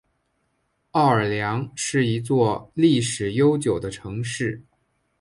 奥尔良是一座历史悠久的城市。